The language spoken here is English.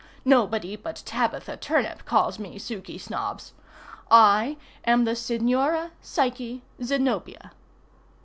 Nobody but Tabitha Turnip calls me Suky Snobbs. I am the Signora Psyche Zenobia.